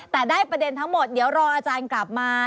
แต่ได้ประเด็นทั้งหมดเดี๋ยวรออาจารย์กลับมา